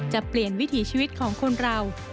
จะเปลี่ยนวิถีชีวิตของคนเรา